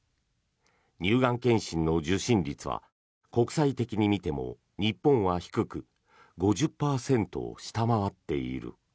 乳がん検診の受診率は国際的に見ても日本は低く５０％を下回っている。